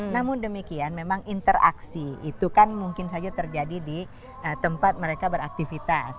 namun demikian memang interaksi itu kan mungkin saja terjadi di tempat mereka beraktivitas